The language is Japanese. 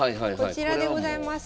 こちらでございます。